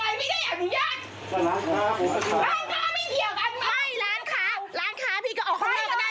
ไม่ร้านค้าเขาก็จะออกข้างเข้าก็ได้ทางของได้